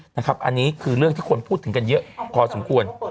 อันนี้คือเรื่องที่คนพูดถึงกันเยอะพอสมควร